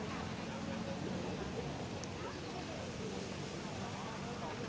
สวัสดีสวัสดี